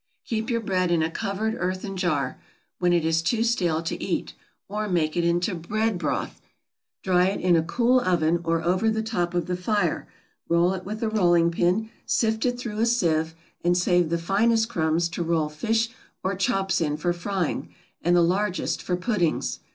Keep your bread in a covered earthen jar; when it is too stale to eat, or make into bread broth, dry it in a cool oven, or over the top of the fire, roll it with a rolling pin, sift it through a sieve, and save the finest crumbs to roll fish or chops in for frying, and the largest for puddings.